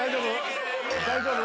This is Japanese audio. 大丈夫？